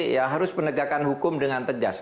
ya harus penegakan hukum dengan tegas